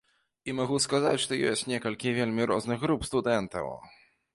І магу сказаць, што ёсць некалькі вельмі розных груп студэнтаў.